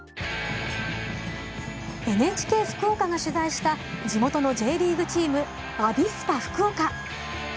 ＮＨＫ福岡が取材した地元のＪリーグチームアビスパ福岡。